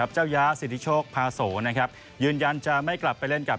เจ้าย้าสิทธิโชคพาโสนะครับยืนยันจะไม่กลับไปเล่นกับ